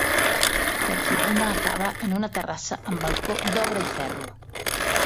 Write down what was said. La tribuna acaba en una terrassa amb balcó d'obra i ferro.